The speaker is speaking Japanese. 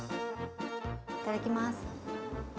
いただきます！